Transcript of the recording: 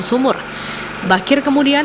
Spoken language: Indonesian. sumur bakir kemudian